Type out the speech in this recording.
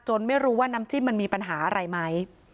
ไม่รู้ว่าน้ำจิ้มมันมีปัญหาอะไรไหม